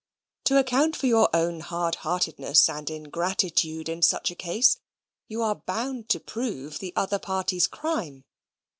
To account for your own hard heartedness and ingratitude in such a case, you are bound to prove the other party's crime.